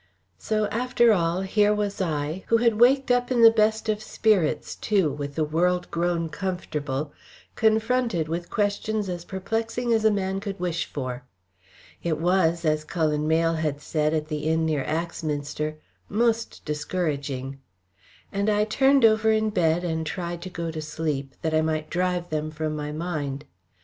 So after all, here was I, who had waked up in the best of spirits too, with the world grown comfortable, confronted with questions as perplexing as a man could wish for. It was, as Cullen Mayle had said, at the inn near Axminster, most discouraging. And I turned over in bed and tried to go to sleep, that I might drive them from my mind.